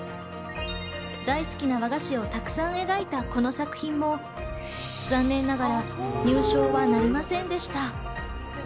大好きな和菓子をたくさん描いた、この作品も残念ながら入賞はなりませんでした。